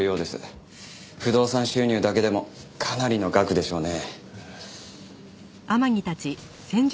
不動産収入だけでもかなりの額でしょうね。